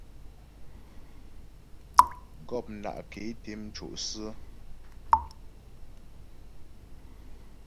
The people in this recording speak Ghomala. Gɔpna' ké té mco' sə̀.